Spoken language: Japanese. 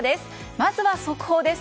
まずは速報です。